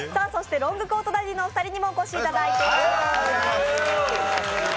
ロングコートダディのお二人にもお越しいただいています。